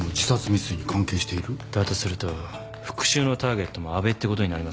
だとすると復讐のターゲットも阿部ってことになりますね。